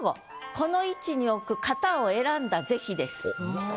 この位置に置く型を選んだ是非です。